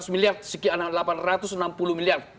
lima ratus miliar sekian delapan ratus enam puluh miliar